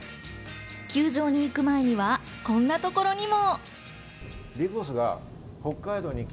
球場に行く前にはこんなところにも。